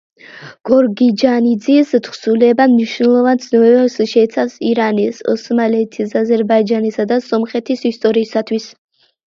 გორგიჯანიძის თხზულება მნიშვნელოვან ცნობებს შეიცავს ირანის, ოსმალეთის, აზერბაიჯანისა და სომხეთის ისტორიისათვის.